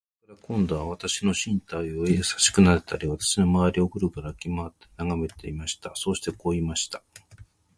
それから、今度は私の身体をやさしくなでたり、私のまわりをぐるぐる歩きまわって眺めていました。そしてこう言いました。